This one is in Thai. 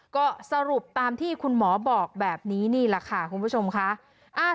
ก็สรุปตามที่คุณหมอบอกแบบนี้นี่แหละค่ะคุณผู้ชมค่ะ